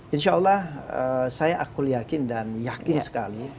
insya allah saya aku yakin dan yakin sekali